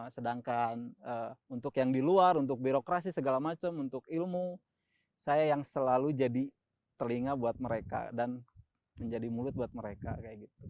sedangkan untuk yang di luar untuk birokrasi segala macam untuk ilmu saya yang selalu jadi telinga buat mereka dan menjadi mulut buat mereka kayak gitu